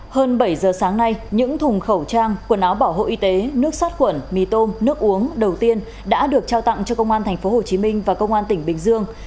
hơn bảy giờ sáng nay những thùng khẩu trang quần áo bảo hộ y tế nước sát khuẩn mì tôm nước uống đầu tiên đã được trao tặng cho công an tp hcm và công an tỉnh bình dương